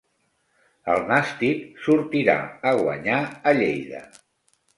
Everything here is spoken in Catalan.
El Nàstic sortirà a guanyar a Lleida.